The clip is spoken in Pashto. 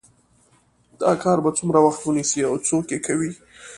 دا کار به څومره وخت ونیسي او څوک یې کوي